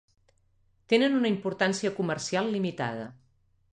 Tenen una importància comercial limitada.